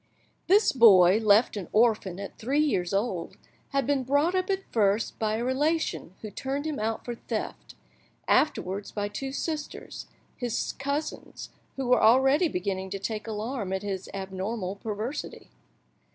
This boy, left an orphan at three years old, had been brought up at first by a relation who turned him out for theft; afterwards by two sisters, his cousins, who were already beginning to take alarm at his abnormal perversity.